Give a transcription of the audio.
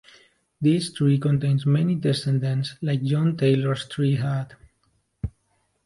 This tree contains many descendants, like John Tyler's tree had.